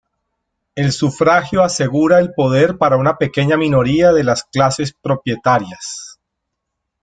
El sufragio asegura el poder para una pequeña minoría de las clases propietarias.